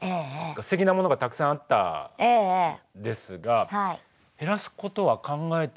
ステキなものがたくさんあったんですが減らすことは考えてらっしゃるのか？